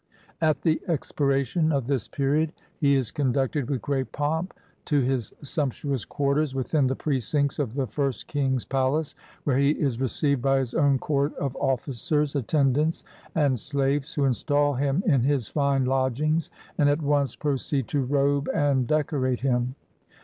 At the expiration of this period he is conducted with great pomp to his sumptuous quarters within the precincts of the first king's palace, where he is received by his own court of ofl&cers, attendants, and slaves, who install him in his fine lodgings, and at once proceed to robe and decorate him.